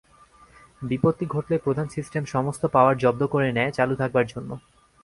বিপত্তি ঘটলে প্রধান সিস্টেম সমস্ত পাওয়ার জব্দ করে নেয় চালু থাকবার জন্যে।